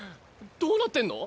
どうなってんの？